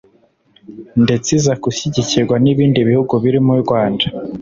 ndetse iza gushyigikirwa n’ibindi bihugu birimo u Rwanda